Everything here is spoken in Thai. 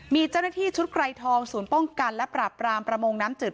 มีเจ้าหน้าที่ชุดไกรทองศูนย์ป้องกันและปราบรามประมงน้ำจืด